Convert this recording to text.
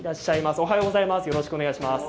おはようございます。